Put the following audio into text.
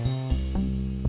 buat temen ngopi a